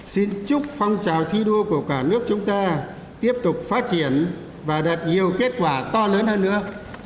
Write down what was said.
xin chúc phong trào thi đua của cả nước chúng ta tiếp tục phát triển và đạt nhiều kết quả to lớn hơn nữa